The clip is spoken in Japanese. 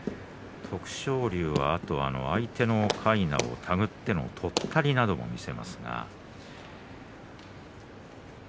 徳勝龍は相手のかいなを手繰ってのとったりも見せます。